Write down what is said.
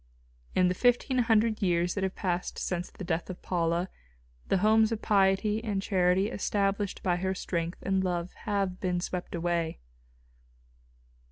In the fifteen hundred years that have passed since the death of Paula, the homes of piety and charity established by her strength and love have been swept away.